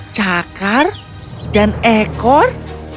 cakar dan ekor